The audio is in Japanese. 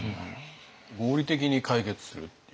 合理的に解決するっていうかね